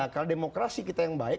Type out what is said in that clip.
kalau demokrasi kita yang baik